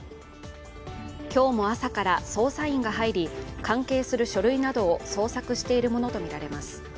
今日も朝から捜査員が入り関係する書類などを捜索しているものとみられます。